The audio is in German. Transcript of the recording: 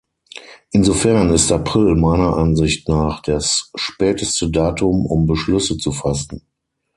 Insofern ist April meiner Ansicht nach das späteste Datum, um Beschlüsse zu fassen.